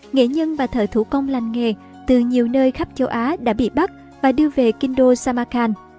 nghệ nhân bà thợ thủ công lành nghề từ nhiều nơi khắp châu á đã bị bắt và đưa về kinh đô samakhan